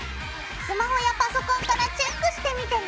スマホやパソコンからチェックしてみてね！